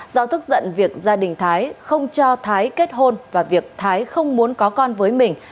do thức giận việc gia đình thái không cho thái kết hôn và việc thái không muốn có con với mình